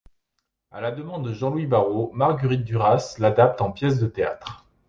À la demande de Jean-Louis Barrault, Marguerite Duras l'adapte en pièce de théâtre.